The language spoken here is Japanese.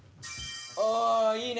あいいね！